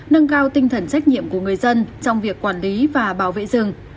nâng cao tinh thần trách nhiệm của người dân trong việc quản lý và bảo vệ rừng